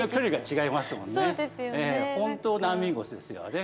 本当のアミーゴスですよね。